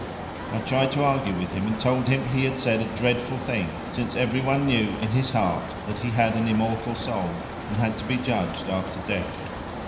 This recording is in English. I tried to argue with him and told him he had said a dreadful thing, since every one knew in his heart that he had an immortal soul and had to be judged after death.